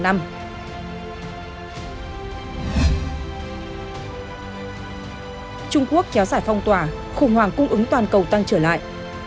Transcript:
trung quốc kéo giải phong tỏa khủng hoảng cung ứng toàn cầu tăng trở lại